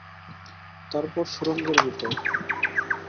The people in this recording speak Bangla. তারপর সুড়ঙ্গের ভিতর।